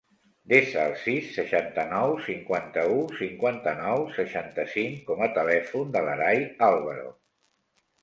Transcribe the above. Desa el sis, seixanta-nou, cinquanta-u, cinquanta-nou, seixanta-cinc com a telèfon de l'Aray Alvaro.